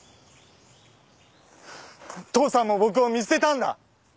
父さんも僕を見捨てたんだ！